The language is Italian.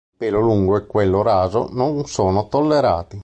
Il pelo lungo e quello raso non sono tollerati.